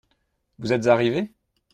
Vous êtes arrivé ?